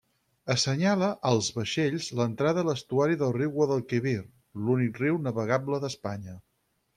Assenyala als vaixells l'entrada a l'estuari del riu Guadalquivir, l'únic riu navegable d'Espanya.